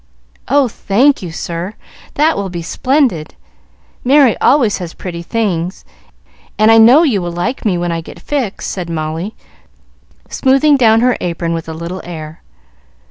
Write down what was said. "Oh, thank you, sir! That will be splendid. Merry always has pretty things, and I know you will like me when I get fixed," said Molly, smoothing down her apron, with a little air.